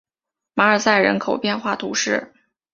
马尔赛人口变化图示